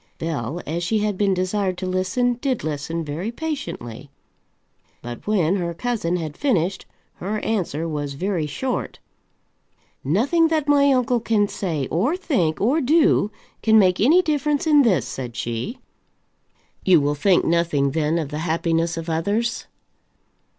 Bell, as she had been desired to listen, did listen very patiently. But when her cousin had finished, her answer was very short. "Nothing that my uncle can say, or think, or do, can make any difference in this," said she. "You will think nothing, then, of the happiness of others."